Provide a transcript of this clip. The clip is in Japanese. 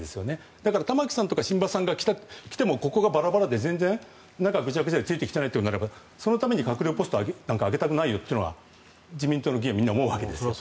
だから玉木さん榛葉さんが来てもここがバラバラで中ぐちゃぐちゃでついてきてないというのであればそのために閣僚ポストをあげたくないと自民党の議員はみんな思うわけです。